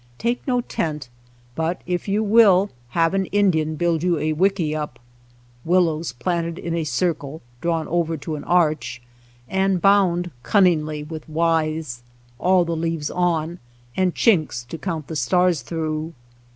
Take no tent, but if you will, have an Indian build you a wickiup, willows planted in a circle, drawn over to an arch, and bound cunningly with withes, all the leaves on, and chinks to count the stars through.